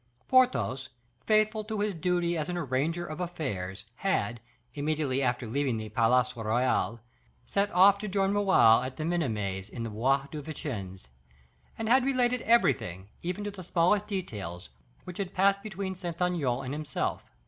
Porthos, faithful to his duty as an arranger of affairs, had, immediately after leaving the Palais Royal, set off to join Raoul at the Minimes in the Bois de Vincennes, and had related everything, even to the smallest details, which had passed between Saint Aignan and himself.